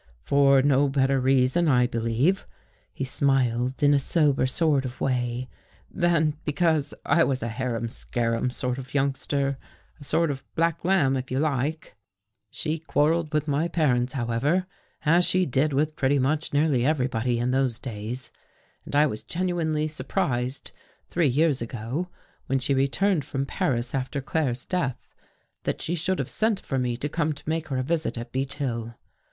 For no bet ter reason, I believe," he smiled in a sober sort of way, " than because I was a harum scarum sort of youngster — a sort of black lamb, if you like. She 13 185 THE GHOST GIRL quarreled with my parents, however, as she did with pretty nearly everybody in those days, anc^ I was genuinely surprised, three years ago, when she returned from Paris after Claire's death, that she should have sent for me to come to make her a visit at Beech Hill.